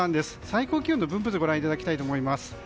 最高気温の分布図ご覧いただきたいと思います。